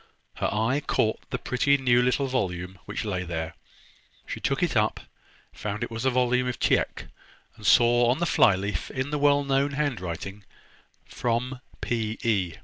Her eye caught the pretty new little volume which lay there. She took it up, found it was a volume of Tieck, and saw on the fly leaf, in the well known handwriting, "From PE."